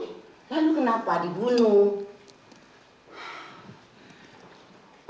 lalu kenapa dibunuh